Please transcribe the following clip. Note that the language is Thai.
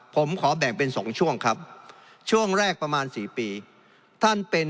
ผมขอแบ่งเป็น๒ช่วงครับช่วงแรกประมาณ๔ปีท่านเป็น